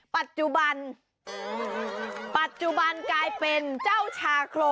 ปัจจุบันปัจจุบันกลายเป็นเจ้าชาโคร